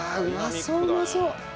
そううまそう。